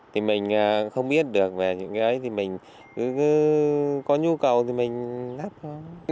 thì mình không biết được về những cái ấy thì mình cứ có nhu cầu thì mình lắp thôi